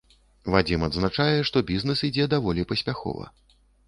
Вадзім адзначае, што бізнэс ідзе даволі паспяхова.